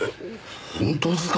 本当ですか？